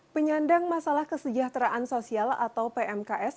penyandang masalah kesejahteraan sosial atau pmks